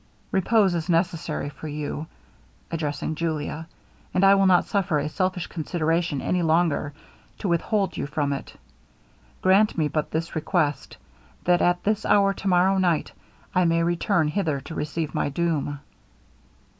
Repose is necessary for you,' addressing Julia, 'and I will not suffer a selfish consideration any longer to with hold you from it. Grant me but this request that at this hour to morrow night, I may return hither to receive my doom.'